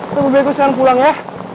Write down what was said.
tunggu biar gue sekarang pulang ya